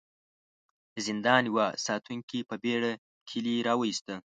د زندان يوه ساتونکي په بېړه کيلې را وايسته.